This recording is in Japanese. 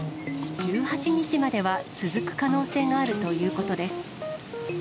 １８日までは続く可能性があるということです。